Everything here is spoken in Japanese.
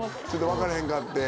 分かれへんかって。